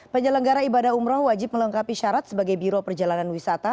penyelenggara ibadah umroh wajib melengkapi syarat sebagai biro perjalanan wisata